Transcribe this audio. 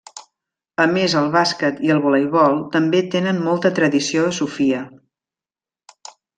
A més el bàsquet i el voleibol també tenen molta tradició a Sofia.